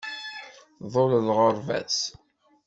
Tḍul lɣerba-s.